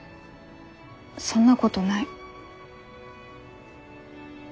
そんなことない。